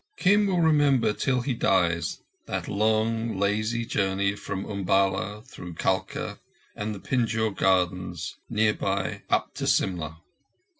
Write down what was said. Kim will remember till he dies that long, lazy journey from Umballa, through Kalka and the Pinjore Gardens near by, up to Simla.